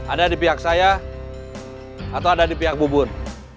ada di pihak saya atau ada di pihak bubun